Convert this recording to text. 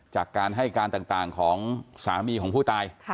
จากการให้การต่างของสามีของผู้ตาย